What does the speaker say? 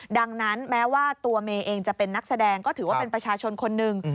ดังนั้นแม้ว่าตัวเมย์เองจะเป็นนักแสดงก็ถือว่าเป็นประชาชนคนหนึ่ง